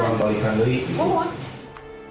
tapi dia balikkan dari